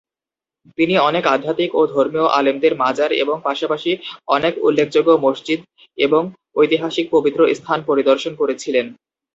তিনি অনেক আধ্যাত্মিক ও ধর্মীয় আলেমদের মাজার এবং পাশাপাশি অনেক উল্লেখযোগ্য মসজিদ এবং ঐতিহাসিক পবিত্র স্থান পরিদর্শন করেছিলেন।